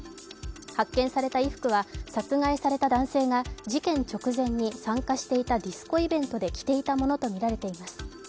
発見された衣服は殺害された男性が事件直前に参加していたディスコイベントで着ていたものとみられています。